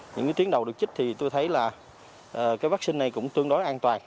những tiến đầu được chích thì tôi thấy là cái vaccine này cũng tương đối an toàn